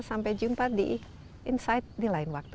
sampai jumpa di insight di lain waktu